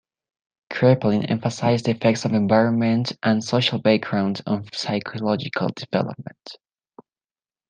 Kraepelin emphasized the effects of environment and social background on psychological development.